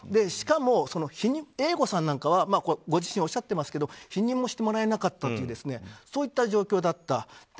しかも、Ａさんなんかはご自身がおっしゃっていますが避妊もしてもらえなかったというそういった状況だった。